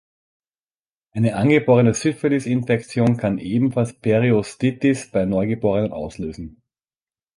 Eine angeborene Syphilisinfektion kann ebenfalls Periostitis bei Neugeborenen auslösen.